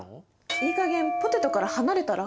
いいかげんポテトから離れたら？